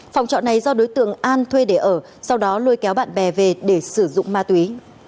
phòng trọ này do đối tượng an thuê để ở sau đó lôi kéo bạn bè về để sử dụng ma túy